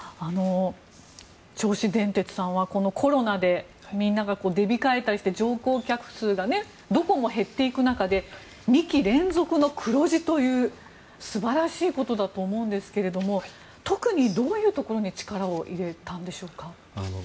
銚子電鉄さんはコロナでみんなが出控えたりして乗降客数がどこも減っていく中で２期連続の黒字という素晴らしいことだと思うんですけれども特にどういうところに力を入れたんでしょうか。